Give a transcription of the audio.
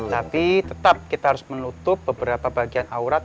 tapi tetap kita harus menutup beberapa bagian aurat